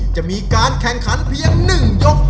จะมีการแข่งขันเพียง๑ยก